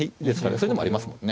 それでもありますもんね。